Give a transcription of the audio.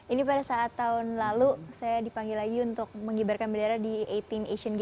ini pada saat tahun lalu saya dipanggil lagi untuk mengibarkan bendera di delapan asian games